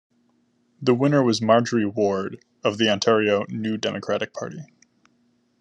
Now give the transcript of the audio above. The winner was Margery Ward of the Ontario New Democratic Party.